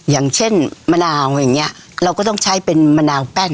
อย่างเช่นมะนาวอย่างเงี้ยเราก็ต้องใช้เป็นมะนาวแป้น